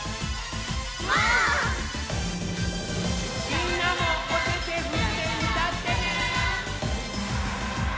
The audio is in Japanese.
みんなもおててふってうたってね！